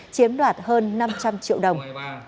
chiếm đoạt hơn năm trăm linh triệu đồng